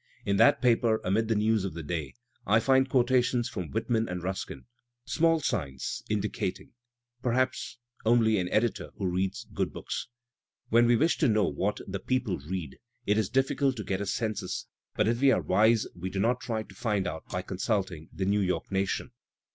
In that paper amid the news of the day, I find quotations from Whitman and Ruskin — small signs indicating, perhaps, only an editor who reads good books. When we wish to know what "the people" read, it is difiScult to get a census, but if we are wise we do not try to find out by consulting the New York Nation.